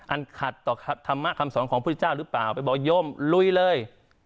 อันขัดต่อธรรมะคำสอนของพุทธเจ้าหรือเปล่าไปบอกโยมลุยเลย